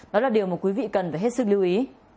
đó là điều mà quý vị cần phải hết sức lưu ý